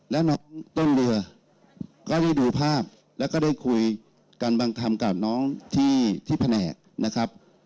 แล้วน้องต้นเรือก็ได้ดูภาพแล้วก็ได้คุยกันบางคำกับน้องที่แผนกนะครับ